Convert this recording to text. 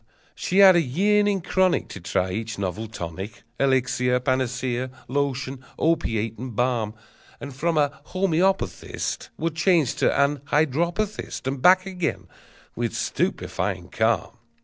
She had a yearning chronic To try each novel tonic, Elixir, panacea, lotion, opiate, and balm; And from a homoeopathist Would change to an hydropathist, And back again, with stupefying calm!